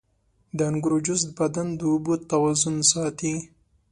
• د انګورو جوس د بدن د اوبو توازن ساتي.